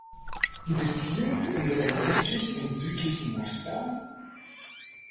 Die Beziehungen zu unseren östlichen und südlichen Nachbarn?